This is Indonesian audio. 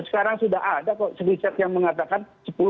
karena sudah ada kok seliset yang mengatakan